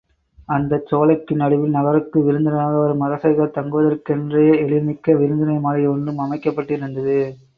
அந்தச் சோலைக்கு நடுவில், நகருக்கு விருந்தினராக வரும் அரசர்கள் தங்குவதற்கென்றே எழில்மிக்க விருந்தினர் மாளிகை ஒன்றும் அமைக்கப்பட்டிருக்கிறது.